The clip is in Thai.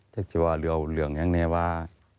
จัดสนว่าเรียนทำเรื่องอย่างนี้ว่า